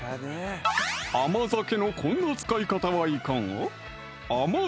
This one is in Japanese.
甘酒のこんな使い方はいかが？